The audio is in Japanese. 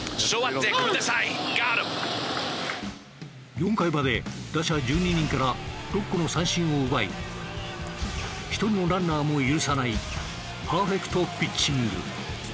４回まで打者１２人から６個の三振を奪い１人のランナーも許さないパーフェクトピッチング。